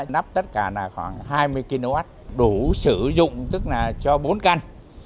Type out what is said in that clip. nắp tất cả là khoảng hai mươi kw đủ sử dụng tức là cho bốn căn